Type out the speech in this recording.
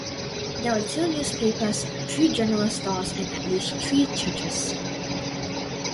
There were two newspapers, three general stores and at least three churches.